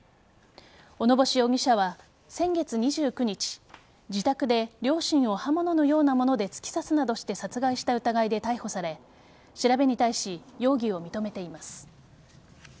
小野星容疑者は先月２９日自宅で両親を刃物のようなもので突き刺すなどして殺害した疑いで逮捕され調べに対し容疑を認めています。